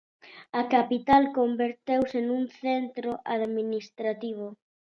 A capital converteuse nun centro administrativo.